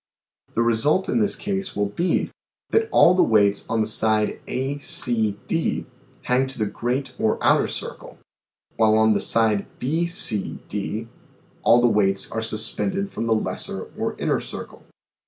The result in this case will be, that all the weights on the side A, C, D, hang to the great or outer circle, while on the side B, C, D, all the weights are sus pended from the lesser or inner circle.